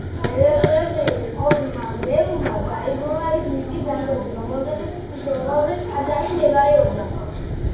გერმანიის გაერთიანების შემდეგ შერიგების ეკლესიის ყოფილმა მრევლმა დაიბრუნა ის მიწის ნაკვეთი, რომელზეც ტაძარი მდებარეობდა.